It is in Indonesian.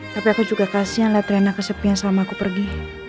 tapi aku juga kasian letrena kesepian selama aku pergi